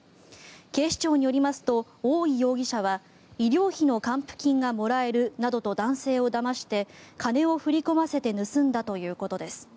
警視庁によりますと大井容疑者は医療費の還付金がもらえるなどと男性をだまして金を振り込ませて盗んだということです。